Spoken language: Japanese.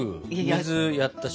水やったし。